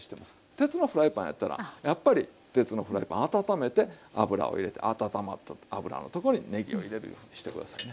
鉄のフライパンやったらやっぱり鉄のフライパン温めて油を入れて温まった油のとこにねぎを入れるいうふうにして下さいね。